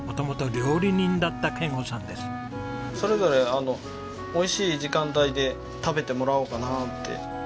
それぞれ美味しい時間帯で食べてもらおうかなって。